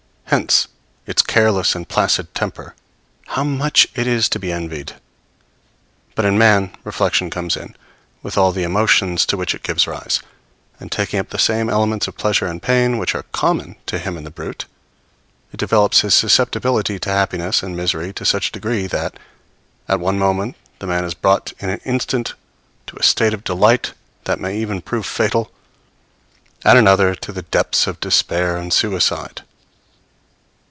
Hence its careless and placid temper: how much it is to be envied! But in man reflection comes in, with all the emotions to which it gives rise; and taking up the same elements of pleasure and pain which are common to him and the brute, it develops his susceptibility to happiness and misery to such a degree that, at one moment the man is brought in an instant to a state of delight that may even prove fatal, at another to the depths of despair and suicide.